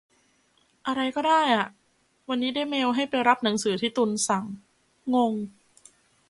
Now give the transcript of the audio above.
อะไรก็ได้อ่ะ วันนี้ได้เมลให้ไปรับหนังสือที่ตุลสั่ง งง